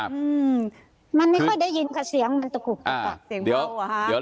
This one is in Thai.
มันไม่ค่อยได้ยินกับเสียงมันตกลุ่ม